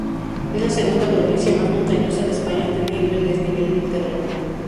Es la segunda provincia más montañosa de España atendiendo al desnivel del terreno.